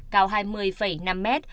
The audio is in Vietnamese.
cao hai mươi năm mét